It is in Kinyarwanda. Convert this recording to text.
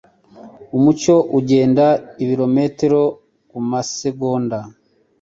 Umucyo ugenda ibirometero kumasegonda.